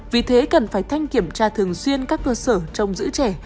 vì thế cần phải thanh kiểm tra thường xuyên các cơ sở trong giữ trẻ